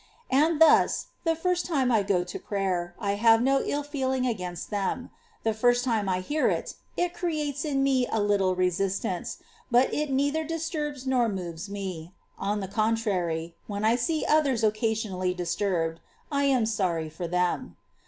And thus, the first time I go to prayer, I have no ill feeling against them ; the first time I hear it, it creates in me a little resist ance, but it neither disturbs nor moves me ; on the contrary, when I see others occasionally disturbed, I am sorry for them.